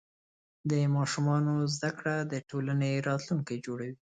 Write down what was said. د ماشومانو زده کړه د ټولنې راتلونکی جوړوي.